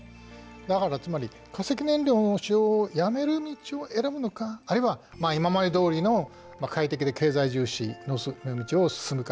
だからつまり化石燃料の使用をやめる道を選ぶのかあるいは今までどおりの快適で経済重視の道を進むか。